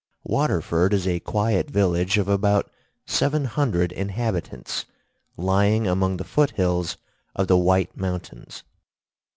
Waterford is a quiet village of about seven hundred inhabitants, lying among the foot hills of the White Mountains.